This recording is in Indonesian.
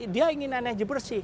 dia ingin energi bersih